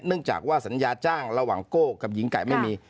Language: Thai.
จากว่าสัญญาจ้างระหว่างโก้กับหญิงไก่ไม่มี